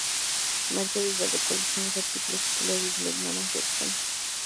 Merecedores de recuerdo son los artículos titulados "De la ignorancia en España".